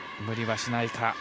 無理はしないか。